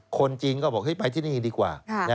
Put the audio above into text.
คนจีนก็บอกไปที่นี่ดีกว่า